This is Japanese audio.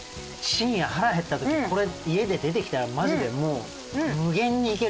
深夜腹減った時これ家で出てきたらマジでもう無限にいけるよね。